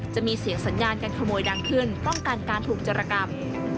จะมีเสียงสัญญาการขโมยดังขึ้นป้องกันการถูกจรกรรม